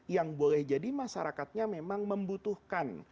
yang boleh jadi masyarakatnya memang membutuhkan